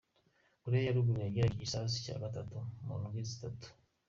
Korea ya Ruguru yagerageje igisasu ca gatatu mu ndwi zitatu.